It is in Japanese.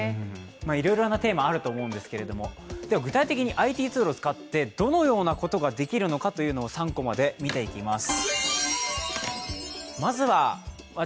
いろいろなテーマがあると思うんですけどでは具体的にＩＴツールを使ってどのようなことができるのか３コマで見ていきます。